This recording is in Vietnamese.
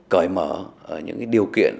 cởi mở những điều kiện